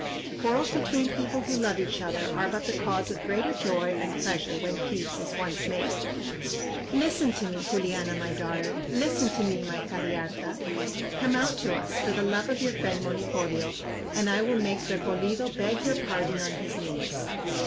Quarrels between people who love each other are but the cause of greater joy and pleasure when peace is once made. Listen to me, Juliana, my daughter; listen to me, my Cariharta. Come out to us, for the love of your friend Monipodio, and I will make Repolido beg your pardon on his knees."